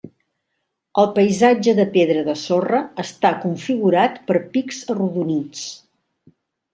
El paisatge de pedra de sorra està configurat per pics arrodonits.